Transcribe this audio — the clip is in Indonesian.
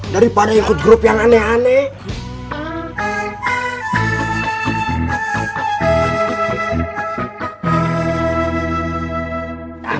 daripada ikut grup yang aneh aneh